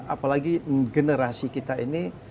apalagi generasi kita ini